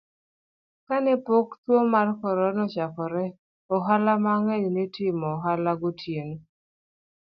Kane pok tuwo mar Corona ochakore, ohala mang'eny ne timo ohala gotieno,